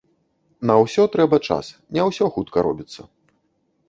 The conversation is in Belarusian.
На ўсё трэба час, не ўсё хутка робіцца.